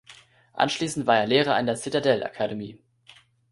Anschließend war er Lehrer an der Citadel Akademie.